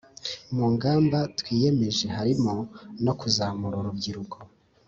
Mungamba twiyemeje harimo no kuzamura urubyiruko